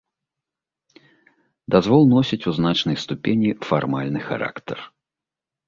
Дазвол носіць у значнай ступені фармальны характар.